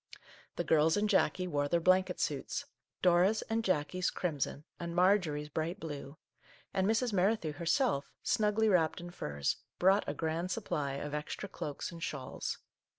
The girls and Jackie wore their blanket suits, — Dora's and Jackie's crimson and Marjorie's bright blue, — and Mrs. Merrithew herself, snugly wrapped in furs, brought a grand supply of extra cloaks and shawls.